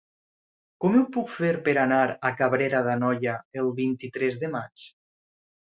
Com ho puc fer per anar a Cabrera d'Anoia el vint-i-tres de maig?